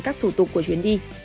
các thủ tục của chuyến đi